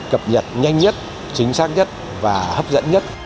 cập nhật nhanh nhất chính xác nhất và hấp dẫn nhất